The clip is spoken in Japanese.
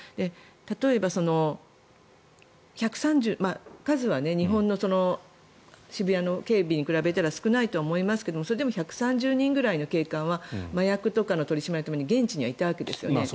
例えば、数は日本の渋谷の警備に比べたら少ないとは思いますがそれでも１３０人くらいの警官は麻薬とかの取り締まりのために現地にはいたわけですよね。